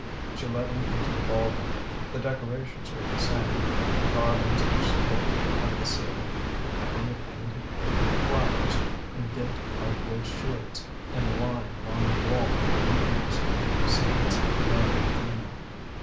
She led him into the ball room. The decorations were the same, the garlands which supported at the ceiling a crown of painted paper flowers, and the gilt cardboard shields in a line along the wall with the names of saints, male and female.